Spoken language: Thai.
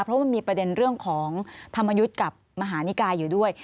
เพราะมันมีประเด็นเรื่องของธรรมยุทธ์กับมหานิกายอยู่ด้วย